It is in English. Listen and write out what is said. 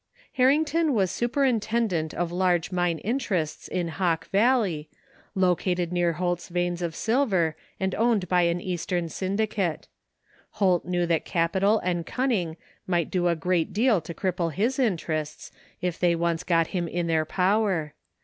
Harrington was superintendent of large mine in terests in Hawk Valley, located near Holt's veins of silver, and owned by an Eastern syndicate. Holt knew that capital and cunning might do a great deal to cripple his interests i f they once got him in their power.